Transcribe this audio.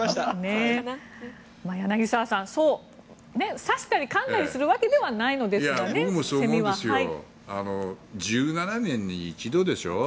柳澤さん、刺したりかんだりするわけではないんですけどね。